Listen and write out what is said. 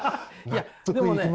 いやでもね